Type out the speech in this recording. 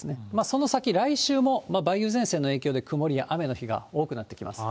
その先、来週も梅雨前線の影響で曇りや雨の日が多くなってきます。